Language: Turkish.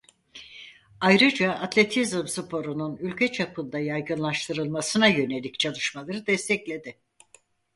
Ayrıca atletizm sporunun ülke çapında yaygınlaştırılmasına yönelik çalışmaları destekledi.